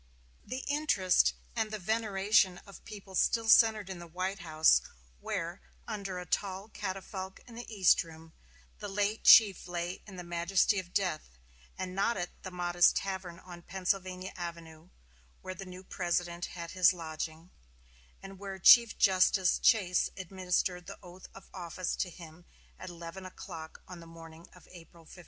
The interest and veneration of the people still centered in the White House, where, under a tall catafalque in the East Room, the late chief lay in the majesty of death, and not at the modest tavern on Pennsylvania Avenue, where the new President had his lodging, and where Chief Justice Chase administered the oath of office to him at eleven o'clock on the morning of April 15.